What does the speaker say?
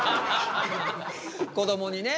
こどもにね。